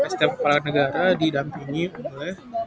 setiap kepala negara didampingi oleh